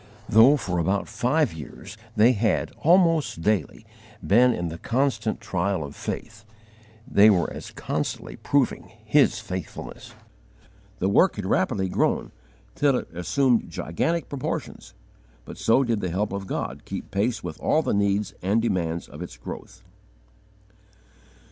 Though for about five years they had, almost daily, been in the constant trial of faith, they were as constantly proving His faithfulness. The work had rapidly grown, till it assumed gigantic proportions, but so did the help of God keep pace with all the needs and demands of its growth.